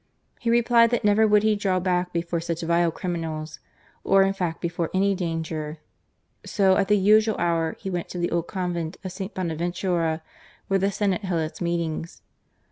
He replied that never would he draw back before such vile criminals, or in fact before any danger. So at the usual hour he went to the old Convent of St. Bonaventura where the Senate held its meetings.